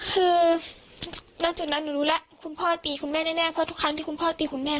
คือณจุดนั้นหนูรู้แล้วคุณพ่อตีคุณแม่แน่เพราะทุกครั้งที่คุณพ่อตีคุณแม่